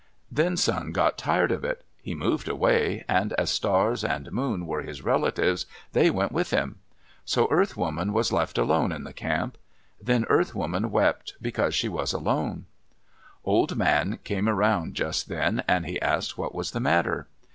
Then Sun got tired of it. He moved away, and as Stars and Moon were his relatives, they went with him. So Earth Woman was left all alone in the camp. Then Earth Woman wept because she was alone. Old Man came around just then, and he asked what was the matter.